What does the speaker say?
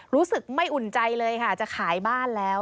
รู้สึกไม่อุ่นใจเลยค่ะจะขายบ้านแล้ว